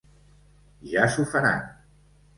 Ja s'ho faran.